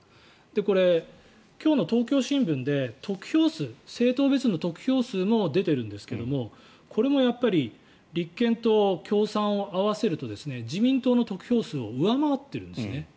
これ、今日の東京新聞で政党別の得票数も出ているんですけどこれも立憲と共産を合わせると自民党の得票数を上回っているんですよね。